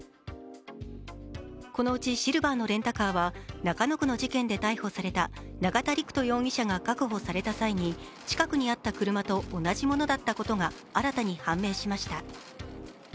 このうちシルバーのレンタカーは中野区の事件で逮捕された永田陸人容疑者が確保された際に近くにあった車と同じものだったことが新たに判明しました。